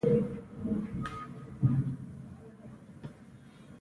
لومړی خو دا شعر په افغاني ژبه نه دی.